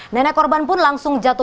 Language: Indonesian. nenek korban pun langsung jatuh